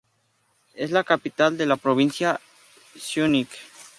Es la capital de la provincia Syunik'.